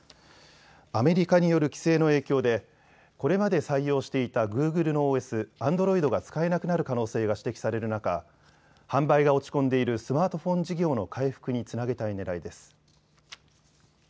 アメリカによる規制の影響でこれまで採用していたグーグルのＯＳ、アンドロイドが使えなくなる可能性が指摘される中、販売が落ち込んでいるスマートフォン事業の回復につなげたいねらいです。